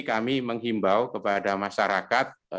kami menghimbau kepada masyarakat